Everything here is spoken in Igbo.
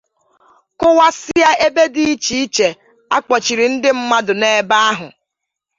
kụwasịa ebe dị iche iche a kpọchiri ndị mmadụ n'ebe ahụ